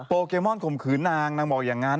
เกมอนข่มขืนนางนางบอกอย่างนั้น